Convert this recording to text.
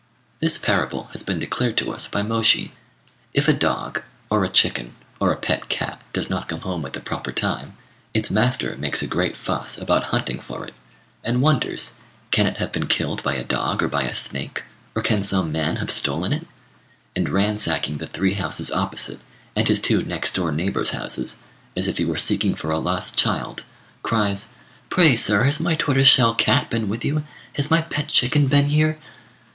This parable has been declared to us by Môshi. If a dog, or a chicken, or a pet cat does not come home at the proper time, its master makes a great fuss about hunting for it, and wonders can it have been killed by a dog or by a snake, or can some man have stolen it; and ransacking the three houses opposite, and his two next door neighbours' houses, as if he were seeking for a lost child, cries, "Pray, sir, has my tortoiseshell cat been with you? Has my pet chicken been here?"